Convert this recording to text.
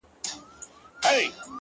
يو زرو اوه واري مي ښكل كړلې؛